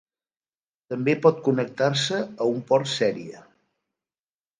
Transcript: També pot connectar-se a un port sèrie.